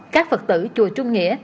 các phật tử chùa trung nghĩa